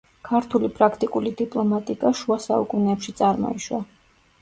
ქართული პრაქტიკული დიპლომატიკა შუა საუკუნეებში წარმოიშვა.